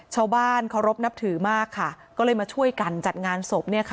ชาวบ้านเคารพนับถือมากค่ะก็เลยมาช่วยกันจัดงานศพเนี่ยค่ะ